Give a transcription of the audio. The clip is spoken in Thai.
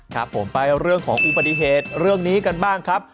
ครับผมไปเอาเรื่องของอุปสรรค์เรื่องนี้กันบ้างครับ